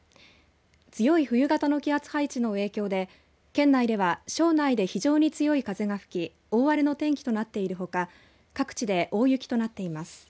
強い冬型の気圧配置の影響で県内では庄内で非常に強い風が吹き大荒れの天気となっているほか各地で大雪となっています。